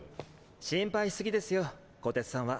心配しすぎですよ虎徹さんは。